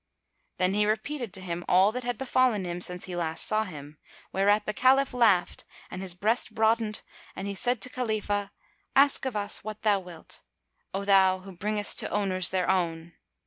Then he repeated to him all that had befallen him, since he last saw him, [FN#257] whereat the Caliph laughed and his breast broadened and he said to Khalifah, "Ask of us what thou wilt, O thou who bringest to owners their own!"